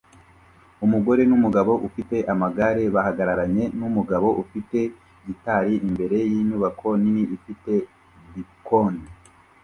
Umugore numugabo ufite amagare bahagararanye numugabo ufite gitari imbere yinyubako nini ifite bkoni